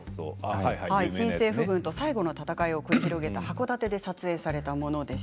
新政府軍と最後の戦いを繰り広げた箱館で撮影されたものです。